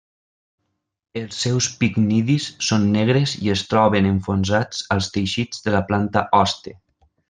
Els seus picnidis són negres i es troben enfonsats als teixits de la planta hoste.